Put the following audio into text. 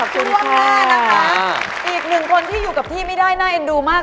ว่าการนะคะอีกหนึ่งสิ่งที่อยู่กับพี่ไม่ได้แน่นดูมาก